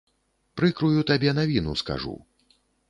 Прыкрую табе навіну скажу.